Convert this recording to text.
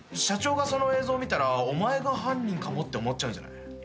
社長がその映像見たらお前が犯人かもって思っちゃうんじゃない？